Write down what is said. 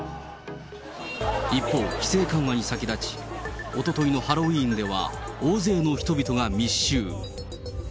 一方、規制緩和に先立ち、おとといのハロウィーンでは大勢の人々が密集。